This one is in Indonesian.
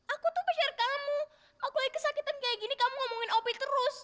aku tuh peser kamu aku lagi kesakitan kayak gini kamu ngomongin opi terus